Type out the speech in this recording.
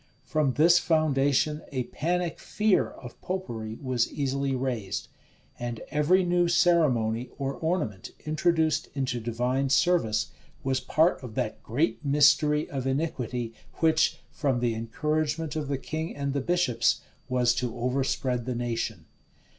From this foundation a panic fear of Popery was easily raised; and every new ceremony or ornament introduced into divine service, was part of that great mystery of iniquity, which, from the encouragement of the king and the bishops, was to overspread the nation.